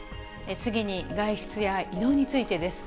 次に、外出や移動についてです。